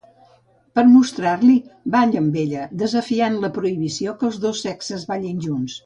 Per mostrar-li, balla amb ella, desafiant la prohibició que els dos sexes ballin junts.